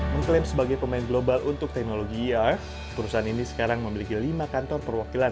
mengklaim sebagai pemain global untuk teknologi irf perusahaan ini sekarang memiliki lima kantor perwakilan